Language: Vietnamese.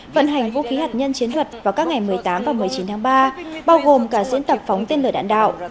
vận hành vũ khí hạt nhân chiến thuật vào các ngày một mươi tám và một mươi chín tháng ba bao gồm cả diễn tập phóng tên lửa đạn đạo